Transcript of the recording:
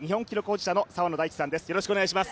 保持者澤野大地さんです。